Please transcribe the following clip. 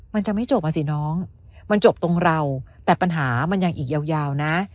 มันจะไม่จบอ่ะสิน้องมันจบตรงเราแต่ปัญหามันยังอีกยาวนะ